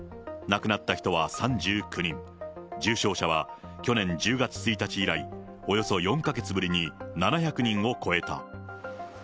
亡くなった人は３９人、重症者は去年１０月１日以来、およそ４か月ぶりに７００人を超えた。